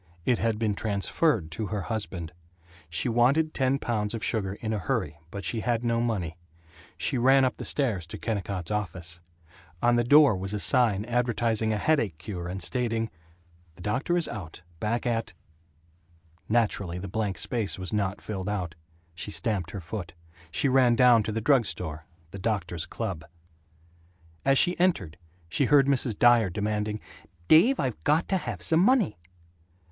It had been transferred to her husband. She wanted ten pounds of sugar in a hurry, but she had no money. She ran up the stairs to Kennicott's office. On the door was a sign advertising a headache cure and stating, "The doctor is out, back at " Naturally, the blank space was not filled out. She stamped her foot. She ran down to the drug store the doctor's club. As she entered she heard Mrs. Dyer demanding, "Dave, I've got to have some money."